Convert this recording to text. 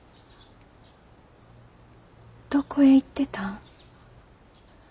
どこへ行ってたん？